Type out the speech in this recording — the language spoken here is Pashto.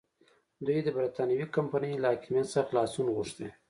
دوی د برېټانوي کمپنۍ له حاکمیت څخه خلاصون غوښته.